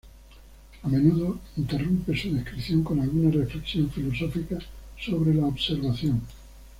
A menudo interrumpe su descripción con alguna reflexión filosófica sobre la observación.